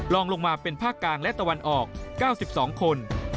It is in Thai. ลองลงมาเป็นภาคกลางและตะวันออก๙๒คน